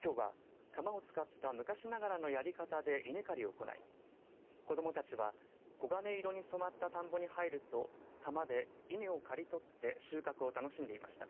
きょうは鎌を使った昔ながらのやり方で稲刈りを行い子どもたちは黄金色に染まった田んぼに入ると鎌で稲を刈り取って収穫を楽しんでいました。